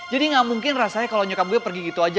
jadi gak mungkin rasanya kalau nyokap gue pergi gitu aja